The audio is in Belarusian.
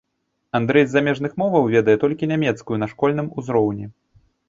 Андрэй з замежных моваў ведае толькі нямецкую на школьным узроўні.